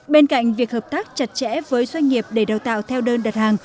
bên cạnh việc hợp tác chặt chẽ với doanh nghiệp để đào tạo theo đơn đặt hàng